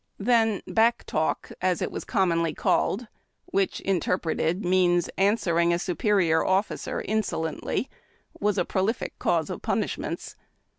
Then "back talk," as it was commonly called, wliich, interpreted, means answering a superior officer insolently, was a prolific cause of punisliments.